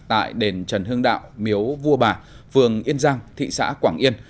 tại đền trần hương đạo miếu vua bà phường yên giang thị xã quảng yên